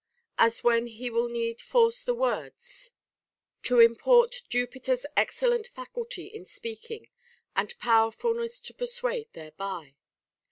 As when he will need force the words ενονοηα Κρονίδψ> to import Jupi ter's excellent faculty in speaking and powerfulness to persuade thereby.